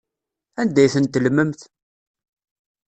Anda ay ten-tellmemt?